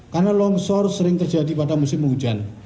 karena longsor sering terjadi pada musim hujan